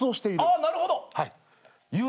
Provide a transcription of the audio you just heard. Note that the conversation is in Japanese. あっなるほど。